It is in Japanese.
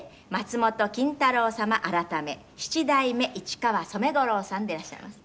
改め七代目市川染五郎さんでいらっしゃいます」